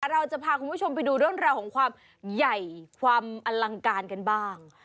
เราจะพาคุณผู้ชมไปดูเรื่องราวของความใหญ่ความอลังการกันบ้าง